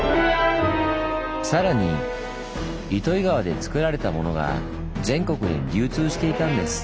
さらに糸魚川でつくられたものが全国に流通していたんです。